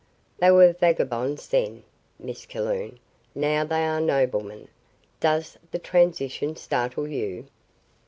"They were vagabonds then, Miss Calhoun. Now they are noblemen. Does the transition startle you?"